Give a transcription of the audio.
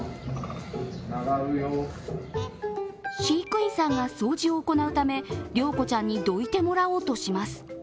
飼育員さんが掃除を行うため、りょうこちゃんにどいてもらおうとします